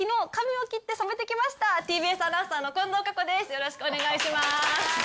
よろしくお願いします